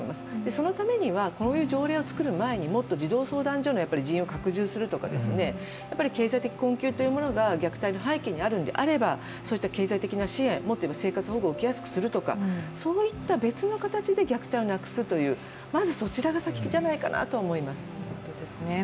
そのためにはこういう条例を作る前に、もっと児童相談所の人員を拡充するとか経済的困窮というものが虐待の背景にあるのであれば、そういった経済的な支援、生活保護を受けやすくするとか、そういった別の形で虐待をなくすというまずそちらが先じゃないかと思います。